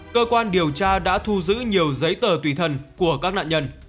cơ quan điều tra đã thu giữ nhiều giấy tờ tùy thân của các nạn nhân